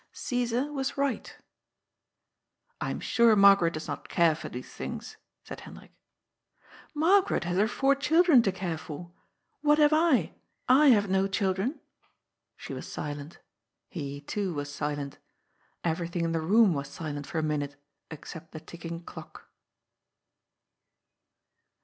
Caesar was right" " I am sure Margaret does not care for these things," said Hendrik. "Margaret has her four children to care for. What have I ? I have no children." She was silent. He, too, was silent. Everything in the room was silent for a minute except the ticking clock.